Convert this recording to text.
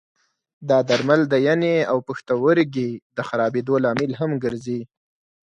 دا درمل د ینې او پښتورګي د خرابېدو لامل هم ګرځي.